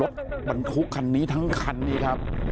ลดบรรคุกันนี้ทั้งคันนี้นะครับ